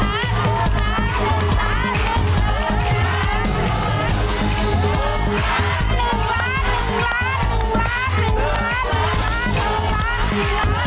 ลุ้นล้านลุ้นล้านลุ้นล้าน